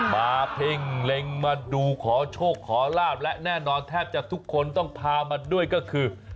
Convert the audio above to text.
เพ่งเล็งมาดูขอโชคขอลาบและแน่นอนแทบจะทุกคนต้องพามาด้วยก็คือ